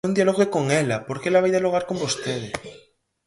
Non dialogue con ela, porque ela vai dialogar con vostede.